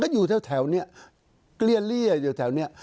อยู่แถวนี้เกลี้ยอยู่แถวนี้